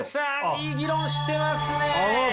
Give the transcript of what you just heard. いい議論してますね。